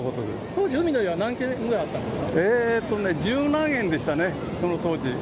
当時、海の家は何軒ぐらいあ十何軒でしたね、その当時。